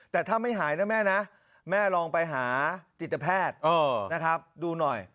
แต่ถ้าไม่หายนะแม่นะแม่ลองไปหาจิตแพทย์นะครับดูหน่อย